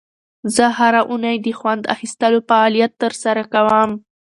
زه هره اونۍ د خوند اخیستلو فعالیت ترسره کوم.